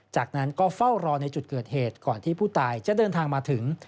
จากนั้นก็เฝ้ารอในจุดเกิดเหตุก่อนที่ผู้ตายจะเดินทางมาถึง